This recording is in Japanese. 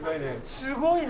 すごいね。